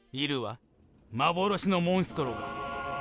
幻のモンストロが！